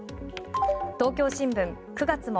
東京新聞、９月も。